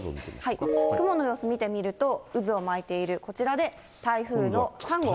雲の様子見てみると渦を巻いている、こちらで台風の３号。